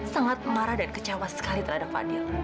sangat marah dan kecewa sekali terhadap fadil